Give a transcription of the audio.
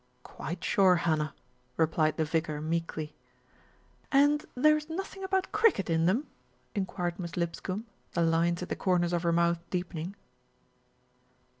"Quite sure, Hannah," replied the vicar meekly. "And there is nothing about cricket in them?" in quired Miss Lipscombe, the lines at the corners of her mouth deepening.